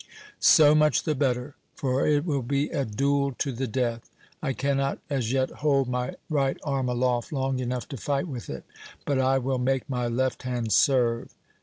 "So much the better, for it will be a duel to the death! I cannot as yet hold my right arm aloft long enough to fight with it, but I will make my left hand serve!"